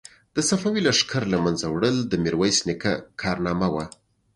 د صفوي لښکر له منځه وړل د میرویس نیکه کارنامه وه.